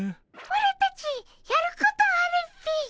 オラたちやることあるっピィ。